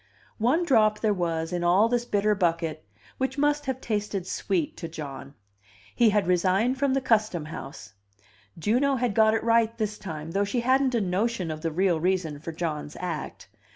One drop there was in all this bitter bucket, which must have tasted sweet to John. He had resigned from the Custom House: Juno had got it right this time, though she hadn't a notion of the real reason for John's act.